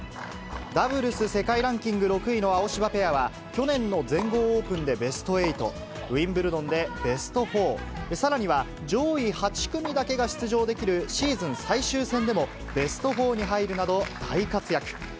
ダブルス世界ランキング６位の青柴ペアは、去年の全豪オープンでベスト８、ウィンブルドンでベスト４、さらには上位８組だけが出場できるシーズン最終戦でもベスト４に入るなど大活躍。